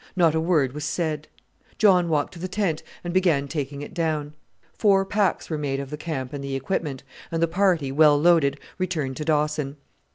Not a word was said. John walked to the tent and began taking it down. Four packs were made of the camp and the equipment, and the party, well loaded, returned to Dawson.